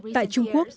tại trung quốc